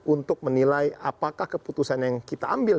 untuk menilai apakah keputusan yang kita ambil